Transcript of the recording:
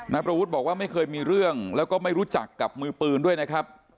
นายประวุฒิบอกว่าไม่เคยมีเรื่องแล้วก็ไม่รู้จักกับมือปืนด้วยนะครับ